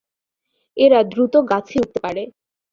এরা দ্রুত গাছে উঠতে পারে।